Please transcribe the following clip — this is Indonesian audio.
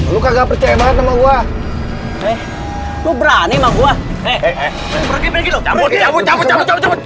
lu kagak percaya banget sama gua eh lu berani sama gua eh eh eh eh eh